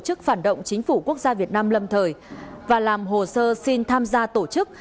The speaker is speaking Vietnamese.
tổ chức phản động chính phủ quốc gia việt nam lâm thời và làm hồ sơ xin tham gia tổ chức